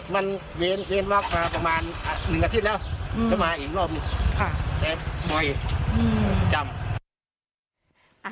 มันเว้นวักมาประมาณ๑อาทิตย์แล้วแล้วมาอีกรอบหนึ่งแต่บ่อยประจำ